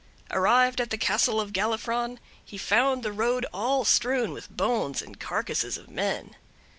Arrived at the castle of Galifron, he found the road all strewn with bones, and carcasses of men.